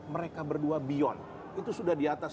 mereka berdua beyond itu sudah di atas